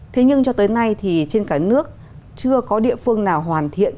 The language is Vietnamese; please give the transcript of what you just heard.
thế nhưng cho tới nay thì trên cả nước chưa có địa phương nào hoàn thiện